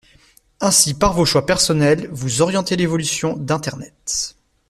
Ainsi, par vos choix personnels, vous orientez l'évolution d'internet